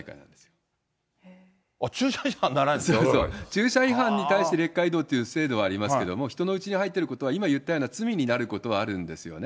駐車違反に対してレッカー移動という制度はありますけど、人のうちに入ってることは、今言ったような罪になることはあるんですよね。